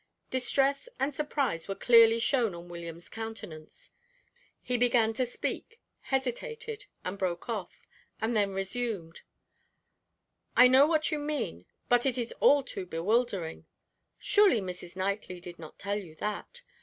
Distress and surprise were clearly shown on William's countenance. He began to speak, hesitated, and broke off, and then resumed: "I know what you mean, but it is all too bewildering. Surely Mrs. Knightley did not tell you that?